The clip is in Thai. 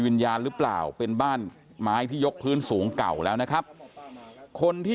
วิญญาณหรือเปล่าเป็นบ้านไม้ที่ยกพื้นสูงเก่าแล้วนะครับคนที่